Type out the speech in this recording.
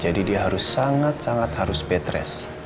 jadi dia harus sangat sangat harus peteres